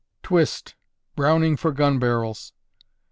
_Twist, Browning for Gun Barrels.